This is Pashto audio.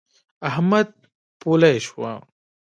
احمد پولۍ شو.